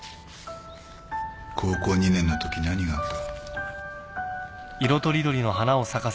高校２年のとき何があった？